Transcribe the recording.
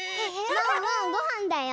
ワンワンごはんだよ。